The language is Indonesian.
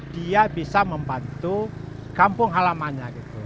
dia bisa membantu kampung halamannya